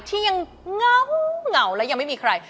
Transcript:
ที่ยังเหงาและยังไม่มีใคร